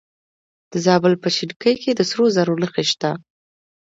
د زابل په شنکۍ کې د سرو زرو نښې شته.